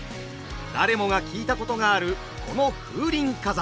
誰もが聞いたことがあるこの「風林火山」。